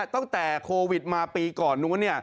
ตั้งแต่โควิดมาปีก่อนนู้น